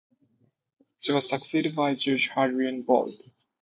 She was succeeded by Judge Hadrian Volt.